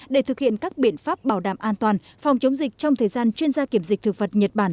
để thực hiện các biện pháp bảo đảm an toàn phòng chống dịch trong thời gian chuyên gia kiểm dịch thực vật nhật bản